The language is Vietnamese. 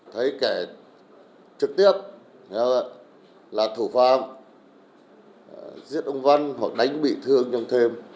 thấy kẻ trực tiếp là thủ phạm giết ông văn hoặc đánh bị thương trong thêm